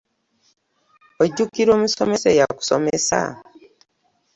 Ojjukira omusomesa eya kusomesa?